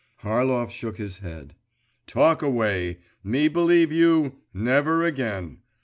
Harlov shook his head. 'Talk away! Me believe you! Never again!